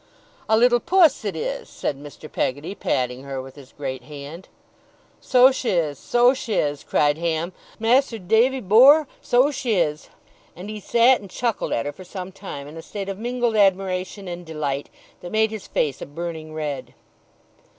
'A little puss, it is!' said Mr. Peggotty, patting her with his great hand. 'So sh' is! so sh' is!' cried Ham. 'Mas'r Davy bor', so sh' is!' and he sat and chuckled at her for some time, in a state of mingled admiration and delight, that made his face a burning red.